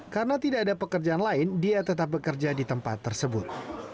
karena tidak ada pekerjaan lain dia tetap bekerja di tempat lain